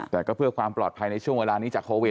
แต่ก็เพื่อความปลอดภัยในช่วงเวลานี้จากโควิด